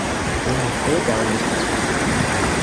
They have full galleries for spectators.